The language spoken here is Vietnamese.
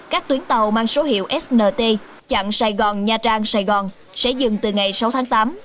các tuyến tàu mang số hiệu snt chặn sài gòn nha trang sài gòn sẽ dừng từ ngày sáu tháng tám